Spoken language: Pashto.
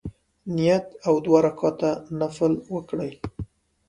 نیت او دوه رکعته نفل وکړي.